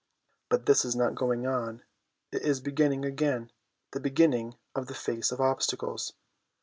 But it is not going on ; it is beginning again, and beginning in the face of obstacles.